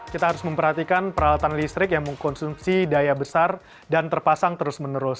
kita harus memperhatikan peralatan listrik yang mengkonsumsi daya besar dan terpasang terus menerus